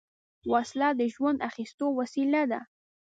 وسله د ژوند اخیستو وسیله ده